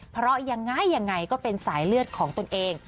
เพราะอย่างง่ายก็เป็นสายเลือดของตัวเอง